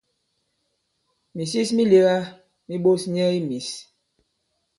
Mìsis mi lēgā mi ɓos nyɛ i mīs.